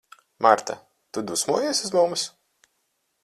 Marta, tu dusmojies uz mums?